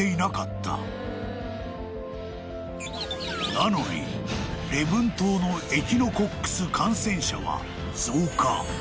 ［なのに礼文島のエキノコックス感染者は増加］